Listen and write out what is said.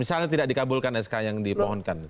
misalnya tidak dikabulkan sk yang dipohkan